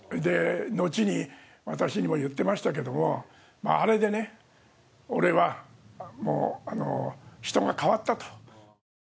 後に私にも言ってましたけどもあれで俺は、人が変わったと。